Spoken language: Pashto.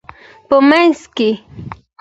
په مینځ کې